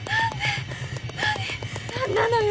何なのよ！